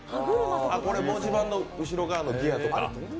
これ、文字盤の後ろ側のギアとか。